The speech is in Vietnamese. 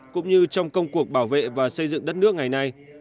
cũng như trong công cuộc bảo vệ và xây dựng đất nước ngày nay